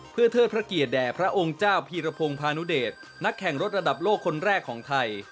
เพื่อเทิดพระเกียรติแด่พระองค์เจ้าพีรพงศ์พานุเดชนักแข่งรถระดับโลกคนแรกของไทย